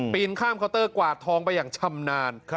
ข้ามเคาน์เตอร์กวาดทองไปอย่างชำนาญ